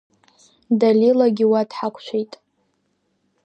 Далилагьы уа дҳақәшәеит.